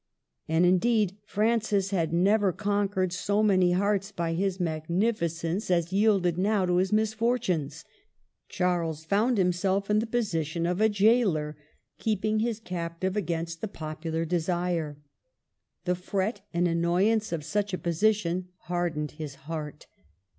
And, indeed, Francis had never conquered so many hearts by his magnificence as yielded now to his misfortunes. Charles found himself in the position of a jailer, keeping his captive against the popular desire. The fret and annoyance of such a posi tion hardened his heart.